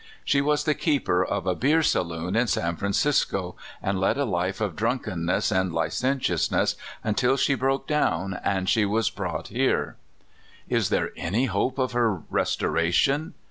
'' She was the keeper of a beer saloon in San Francisco, and led a life of drunkenness and li centiousness until she broke down, and she was brouorht here." Is there any hope of her restoration?